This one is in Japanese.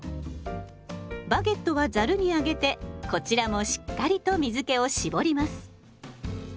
バゲットはざるに上げてこちらもしっかりと水けを絞ります。